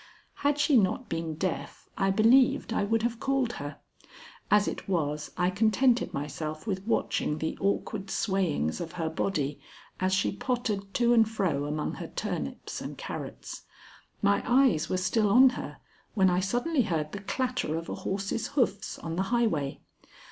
Had she not been deaf, I believed I would have called her. As it was, I contented myself with watching the awkward swayings of her body as she pottered to and fro among her turnips and carrots. My eyes were still on her when I suddenly heard the clatter of a horse's hoofs on the highway.